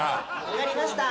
分かりました。